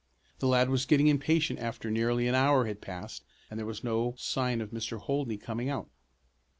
The lad was getting impatient after nearly an hour had passed and there was no sign of Mr. Holdney coming out.